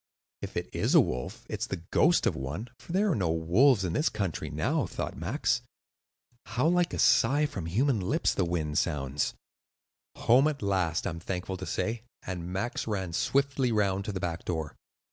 "If it is a wolf, it is the ghost of one; for there are no wolves in this country now," thought Max. "How like a sigh from human lips the wind sounds!" "Home at last, I am thankful to say;" and Max ran swiftly round to the back door.